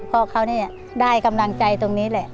พ่อเขานี่ได้กำลังใจตรงนี้แหละ